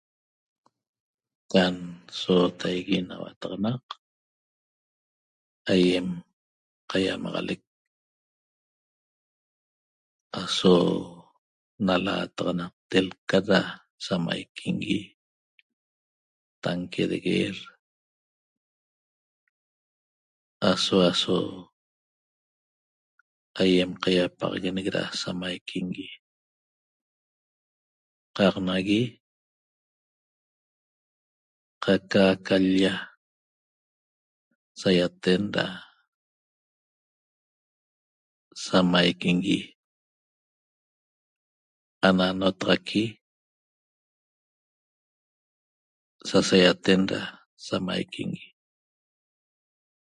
Can sootaigui na huataxanaq aýem qaýamaxale aso nalaataxanaqte lcat da samaiquingui tanque de guerra aso aso aýem qaýapaxaguenec da samaiquingui qaq nagui qaca aca l-lla saýaten da samaiquingui ana notaxaqui sasaýaten da samaiquingui